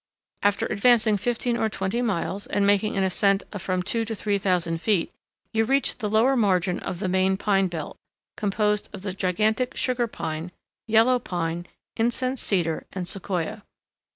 After advancing fifteen or twenty miles, and making an ascent of from two to three thousand feet, you reach the lower margin of the main pine belt, composed of the gigantic Sugar Pine, Yellow Pine, Incense Cedar, and Sequoia.